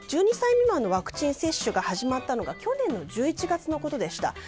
１２歳未満のワクチン接種が始まったのが去年の１１月のことでした。